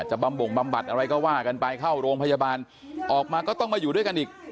บำบงบำบัดอะไรก็ว่ากันไปเข้าโรงพยาบาลออกมาก็ต้องมาอยู่ด้วยกันอีก